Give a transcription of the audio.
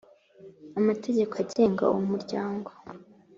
Amategeko agenga uwo muryango